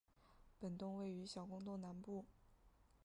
本洞位于小公洞南部。